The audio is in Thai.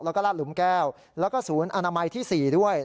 แล้วก็ลาดหลุมแก้วแล้วก็ศูนย์อนามัยที่๔ด้วย